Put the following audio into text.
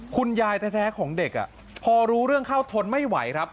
คุณยายแท้ของเด็กพอรู้เรื่องเข้าทนไม่ไหวครับ